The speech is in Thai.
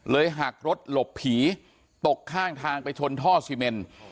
หักรถหลบผีตกข้างทางไปชนท่อซีเมน